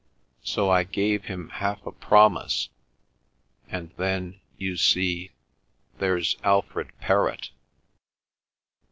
"So I gave him half a promise, and then, you see, there's Alfred Perrott."